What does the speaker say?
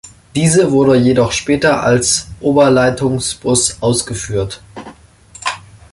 Diese wurde jedoch später als Oberleitungsbus ausgeführt.